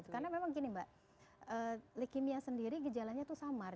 karena memang gini mbak leukemia sendiri gejalannya itu samar